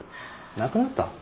なくなった？